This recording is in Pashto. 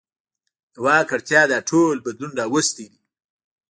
د واک اړتیا دا ټول بدلون راوستی دی.